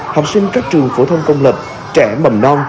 học sinh các trường phổ thông công lập trẻ mầm non